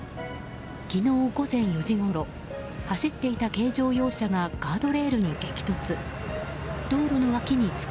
昨日午前４時ごろ走っていた軽乗用車がガードレールに激突。